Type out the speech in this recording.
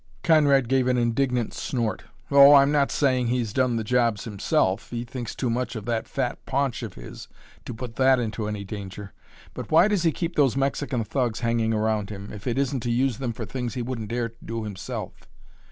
Conrad gave an indignant snort. "Oh, I'm not saying he's done the jobs himself. He thinks too much of that fat paunch of his to put that into any danger. But why does he keep those Mexican thugs hanging around him if it isn't to use them for things he wouldn't dare do himself?